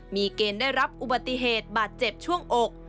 มีเกณฑ์ได้รับอุบัติเหตุบาดเจ็บช่วงอก